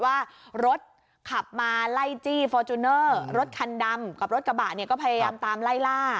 ว่ารถขับมาไล่จี้ฟอร์จูเนอร์รถคันดำกับรถกระบะเนี่ยก็พยายามตามไล่ล่า